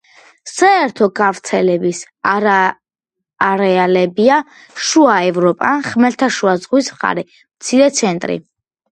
საერთო გავრცელების არეალებია შუა ევროპა, ხმელთაშუა ზღვის მხარე; მცირე, ცენტრ.